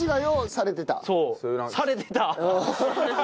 「されてた」。